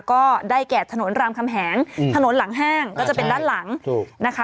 ก็ได้แก่ถนนรามคำแหงถนนหลังแห้งก็จะเป็นด้านหลังถูกนะคะ